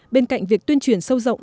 bên cạnh việc tuyên truyền sâu rộng